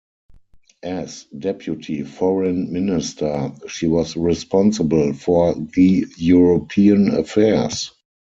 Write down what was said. As Deputy Foreign Minister she was responsible for the European Affairs.